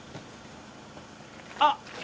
あっ！